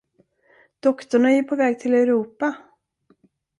Doktorn är ju på väg till Europa?